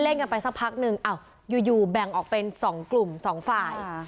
เล่นกันไปสักพักนึงอ้าวอยู่แบ่งออกเป็นสองกลุ่มสองฝ่าย